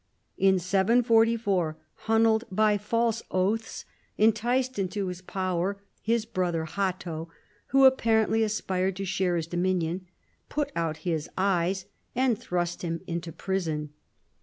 In 744 Ilunold, by false oaths, enticed into his power his brother Ilatto, who apparently aspired to share his dominion, put out his e3'es and thrust him into prison.